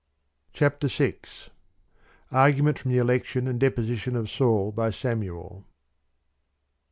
CHAPTER VI Argument from the election and deposition of Saul by Samuel.